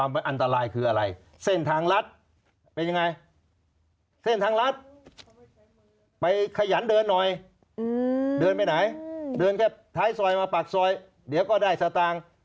เป็นยังไงเส้นทางลัดไปขยันเดินหน่อยอืมเดินไปไหนเดินแค่ท้ายซอยมาปากซอยเดี๋ยวก็ได้สตางค์